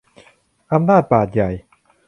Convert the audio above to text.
อำนาจบาตรใหญ่